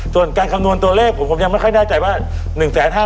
ส่วนการคำนวณตัวเลขผมผมยังไม่ค่อยแน่ใจว่า